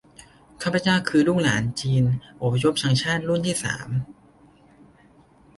ข้าพเจ้าคือลูกหลานจีนอพยพชังชาติรุ่นที่สาม